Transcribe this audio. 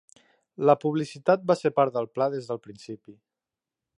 La publicitat va ser part del pla des del principi.